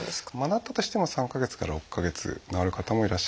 なったとしても３か月から６か月で治る方もいらっしゃいますし。